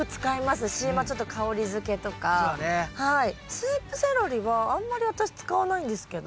スープセロリはあんまり私使わないんですけど。